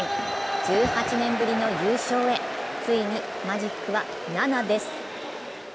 １８年ぶりの優勝へ、ついにマジックは７です。